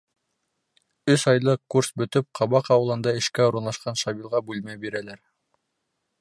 Өс айлыҡ курс бөтөп, Ҡабаҡ ауылында эшкә урынлашҡан Шамилға бүлмә бирәләр.